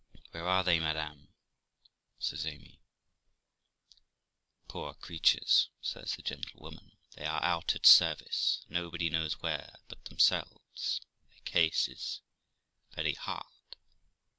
'Where are they, madam?' says Amy. Poor creatures', says the gentlewoman; 'they are out at service, nobody knows where but themselves; their case is very hard.'